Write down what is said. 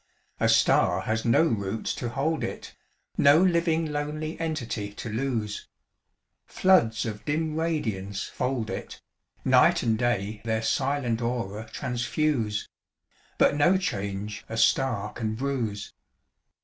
A star has do roots to hold it, No living lonely entity to lose. Floods of dim radiance fold it ; Night and day their silent aura transfuse, But no change a star oan bruise.